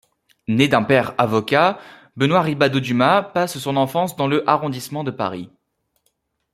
Né d'un père avocat, Benoît Ribadeau-Dumas passe son enfance dans le arrondissement de Paris.